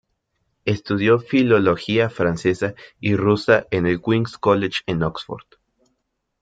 Estudió filología francesa y rusa en el Queen's College en Oxford.